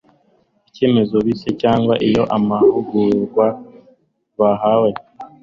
icyemezo bize cyangwa iy amahugurwa bahawe